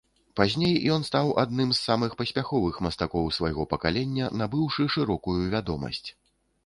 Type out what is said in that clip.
Пазней ён стаў адным з самых паспяховых мастакоў свайго пакалення, набыўшы шырокую вядомасць.